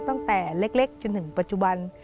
ตั้งแต่เล็กจนถึงปัจจุบัน